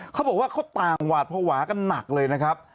เขาบอกว่าเขาต่างหวาดภาวะกันหนักเลยนะครับ